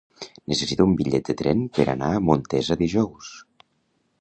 Necessito un bitllet de tren per anar a Montesa dijous.